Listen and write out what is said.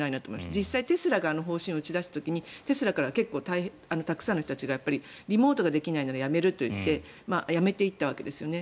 実際、テスラが方針を打ち出した時にテスラから結構たくさんの人たちがリモートができないなら辞めると言って辞めていったわけですよね。